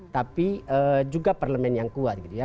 tapi juga parlemen yang kuat gitu ya